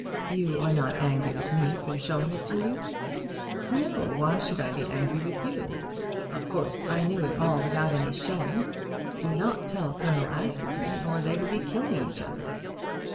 "You are not angry with me for showing it to you?" "No; why should I be angry with you? Of course I knew it all without any showing. Do not tell Colonel Askerton, or they will be killing each other."